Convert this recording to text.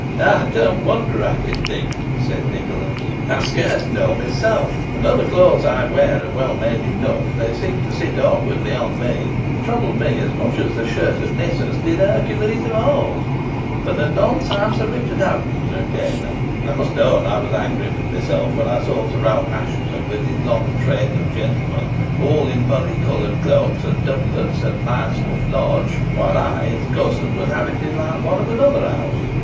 "I don't wonder at it, Dick," said Nicholas; "I scarce know myself; and though the clothes I wear are well made enough, they seem to sit awkwardly on me, and trouble me as much as the shirt of Nessus did Hercules of old. For the nonce I am Sir Richard Hoghton's retainer. I must own I was angry with myself when I saw Sir Ralph Assheton with his long train of gentlemen, all in murrey coloured cloaks and doublets, at Myerscough Lodge, while I, his cousin, was habited like one of another house.